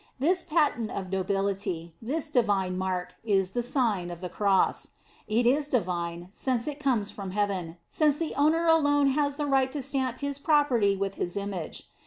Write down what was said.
This patent of nobility, this divine mark, is the Sign of the Cross. It is divine, since it comes from heaven, since the owner alone has the right to stamp his property with his image.